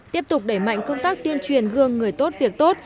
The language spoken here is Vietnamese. tiếp tục đẩy mạnh công tác tuyên truyền gương người tốt việc tốt